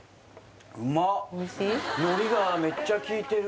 のりがめっちゃきいてる